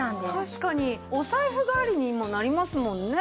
確かにお財布代わりにもなりますもんね。